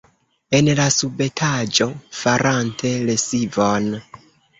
En la subetaĝo, farante lesivon.